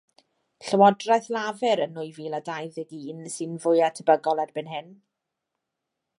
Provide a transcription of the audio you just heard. Llywodraeth Lafur yn nwy fil a dau ddeg un sy' fwya' tebygol erbyn hyn.